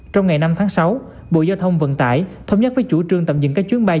trong ngày năm tháng sáu bộ giao thông vận tải thống nhất với chủ trương tạm dừng các chuyến bay